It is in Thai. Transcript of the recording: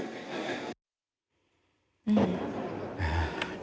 อืม